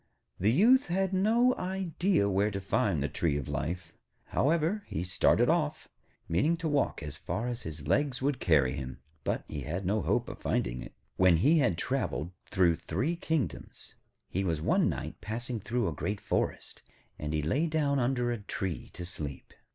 The Youth had no idea where to find the tree of life. However, he started off, meaning to walk as far as his legs would carry him; but he had no hope of finding it. When he had travelled through three kingdoms, he was one night passing through a great forest, and he lay down under a tree to sleep.